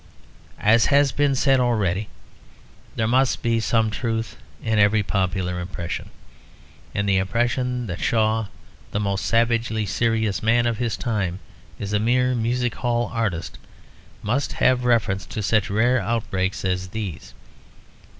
As has been said already, there must be some truth in every popular impression. And the impression that Shaw, the most savagely serious man of his time, is a mere music hall artist must have reference to such rare outbreaks as these.